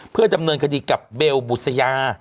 เพื่อดำเนินคดีกับเบลบุษยา